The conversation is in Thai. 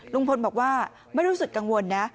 ลุงพลบอกว่าไม่รู้สึกกังวลนะ